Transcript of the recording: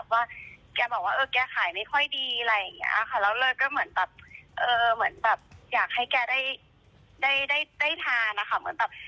ว่าแกบอกว่าแกขายไม่ค่อยดีอะไรอย่างนี้ค่ะแล้วเลยก็เหมือนแบบอยากให้แกได้ทานนะคะ